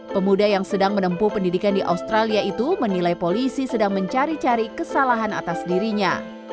pemuda yang sedang menempuh pendidikan di australia itu menilai polisi sedang mencari cari kesalahan atas dirinya